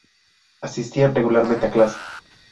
Asistían regularmente a clase.